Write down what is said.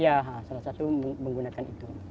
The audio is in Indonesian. iya salah satu menggunakan itu